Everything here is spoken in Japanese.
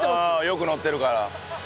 よく乗ってるから。